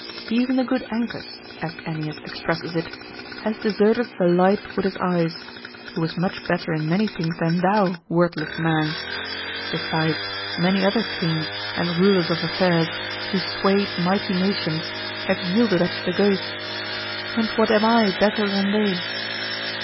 " Even the good Ancus," as Ennius expresses it, " has de serted the light with his eyes," ^ who was much better in many things than thou, worthless man I Besides, many other kings, and rulers of affairs, who swayed mighty nations, have yielded up the ghost. And what am I better than they